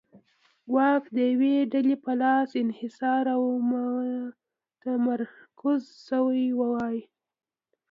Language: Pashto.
واک د یوې ډلې په لاس انحصار او متمرکز شوی وای.